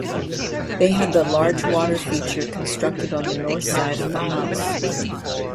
They had the large water feature constructed on the north side of the house.